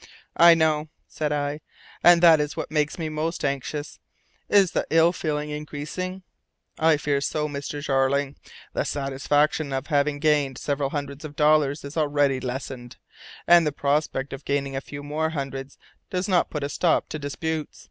"I know," said I, "and that is what makes me most anxious. Is the ill feeling increasing?" "I fear so, Mr. Jeorling. The satisfaction of having gained several hundreds of dollars is already lessened, and the prospect of gaining a few more hundreds does not put a stop to disputes.